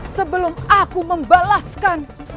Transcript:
sebelum aku membalaskan